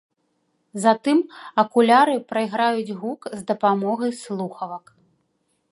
Затым акуляры прайграюць гук з дапамогай слухавак.